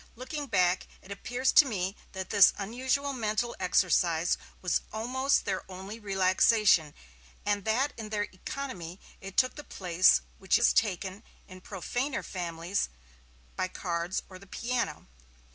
Looking back, it appears to me that this unusual mental exercise was almost their only relaxation, and that in their economy it took the place which is taken, in profaner families, by cards or the piano.